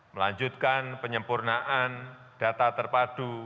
melanjutkan penyempurnaan data terpadu